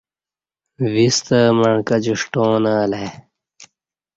وِستہ مع کچی ݜٹاں نہ الہ ای